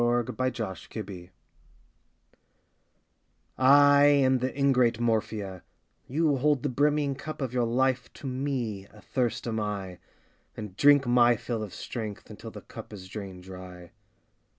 DAY DREAMS MORPHIA I am The Ingrate Morphia, You hold the brimming cup of your L ife To me, athirst am I, And drink my fill Of strength, until The cup is drained dry.